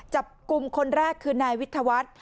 จับกลุ่มคนแรกคือนายวิทยาวัฒน์